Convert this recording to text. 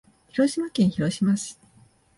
広島県広島市